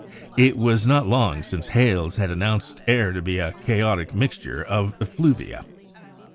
It was not long since Hales had announced air to be a chaotic mixture of effluvia.